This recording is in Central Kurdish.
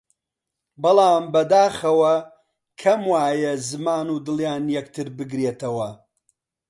بەڵام بەداخەوە کەم وایە زمان و دڵیان یەکتر بگرێتەوە!